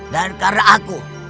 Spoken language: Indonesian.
dan karena aku